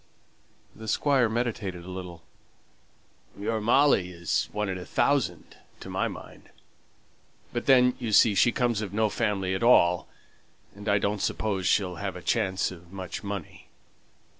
The Squire meditated a little. "Your Molly is one in a thousand, to my mind. But then, you see, she comes of no family at all, and I don't suppose she'll have a chance of much money."